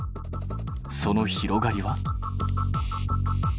その広がりは？